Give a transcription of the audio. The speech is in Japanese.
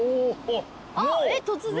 あっえっ突然。